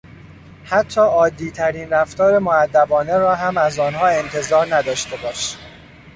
حتی عادیترین رفتار مودبانه را هم از آنها انتظار نداشته باش.